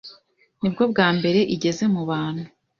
nibwo bwa mbere igeze mu bantu,